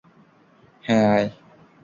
হ্যাঁঁ, আয়।